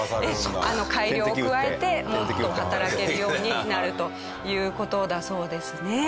改良を加えてもっと働けるようになるという事だそうですね。